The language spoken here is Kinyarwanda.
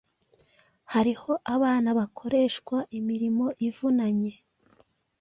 Hariho abana bakoreshwa imirimo ivunanye.